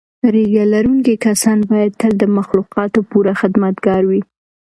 ږیره لرونکي کسان باید تل د مخلوقاتو پوره خدمتګار وي.